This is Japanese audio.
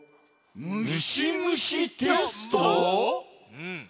うん。